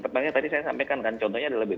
tepatnya tadi saya sampaikan kan contohnya adalah